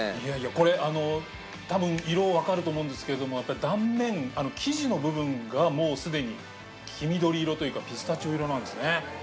これあの多分色わかると思うんですけれどもやっぱり断面生地の部分がもうすでに黄緑色というかピスタチオ色なんですね。